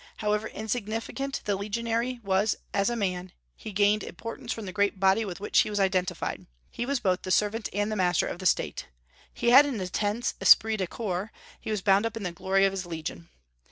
However insignificant the legionary was as a man, he gained importance from the great body with which he was identified: he was both the servant and the master of the State. He had an intense esprit de corps; he was bound up in the glory of his legion.